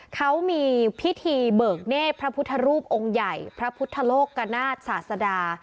เขามีพิธีเบิกเนธพระพุทธรูปองค์ใหญ่พระพุทธโลกกนาศศาสดา